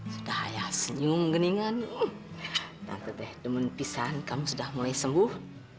sudah ya senyum geningan tante deh demen pisahan kamu sudah mulai sembuh